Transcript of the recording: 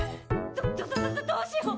どどどどどどうしよう！？